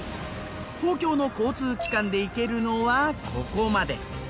公共の交通機関で行けるのはここまで。